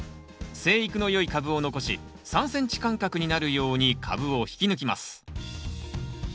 生育の良い株を残し３ｃｍ間隔になるように株を引き抜きます。